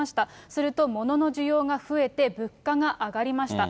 するとものの需要が増えて物価が上がりました。